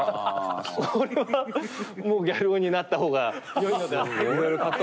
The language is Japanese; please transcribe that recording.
これはもうギャル男になった方がよいのではないかと。